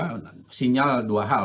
ketika di kpm ini memiliki sinyal dua hal